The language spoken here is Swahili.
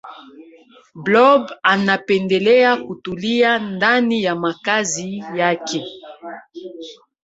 blob anapendelea kutulia ndani ya makazi yake